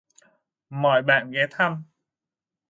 Mọi bạn ghé thăm